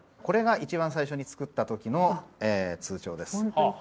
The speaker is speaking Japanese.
これが一番最初に作った時の通帳です。